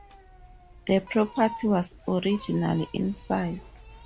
The property was originally in size.